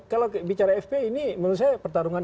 kalau bicara fpi ini menurut saya pertarungan